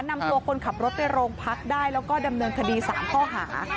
นำตัวคนขับรถไปโรงพักได้แล้วก็ดำเนินคดี๓ข้อหา